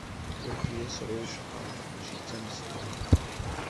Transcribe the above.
Wayi d asɛujqer, mačči d tameslayt.